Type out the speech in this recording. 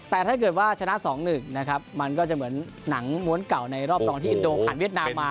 แต่ถ้าเกิดว่าชนะ๒๑นะครับมันก็จะเหมือนหนังม้วนเก่าในรอบรองที่อินโดผ่านเวียดนามมา